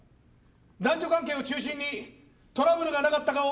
男女関係を中心にトラブルがなかったかを徹底的に洗い出す。